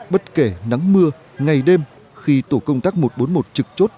bất kể nắng mưa ngày đêm khi tổ công tác một trăm bốn mươi một trực chốt